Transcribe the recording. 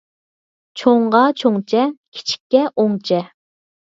چوڭغا چوڭچە، كىچىككە ئوڭچە